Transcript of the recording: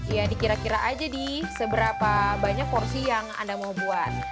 ya dikira kira aja di seberapa banyak porsi yang anda mau buat